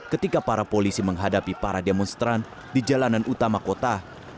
ketika para polisi menghadapi para demonstran di jalanan utama kota